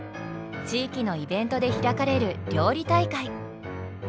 地域のイベントで開かれる料理大会。